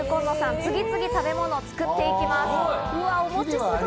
次々、食べ物を作っていきます。